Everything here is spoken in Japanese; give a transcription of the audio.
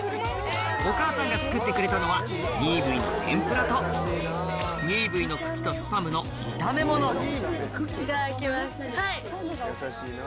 お母さんが作ってくれたのはニーブイの茎とスパムの炒めものいただきます。